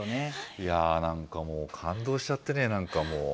いやー、なんかもう、感動しちゃってね、なんかもう。